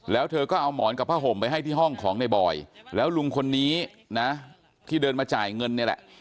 แล้วเธอก็เอาหมอนกับผ้าห่มไปให้ที่ห้องของในบอยแล้วลุงคนนี้นะที่เดินมาจ่ายเงินนี่แหละ